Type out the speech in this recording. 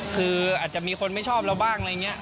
คืออาจจะมีคนไม่ชอบเราบ้างอะไรอย่างนี้